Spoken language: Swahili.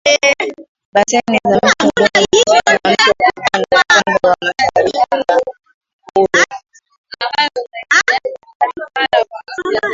beseni za mto Don na mto Kuban Upande wa mashariki wa Ural